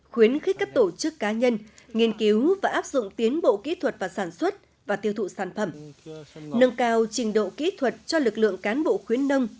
khuyến khích các tổ chức cá nhân nghiên cứu và áp dụng tiến bộ kỹ thuật và sản xuất và tiêu thụ sản phẩm nâng cao trình độ kỹ thuật cho lực lượng cán bộ khuyến nông